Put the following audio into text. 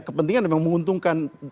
kepentingan yang menguntungkan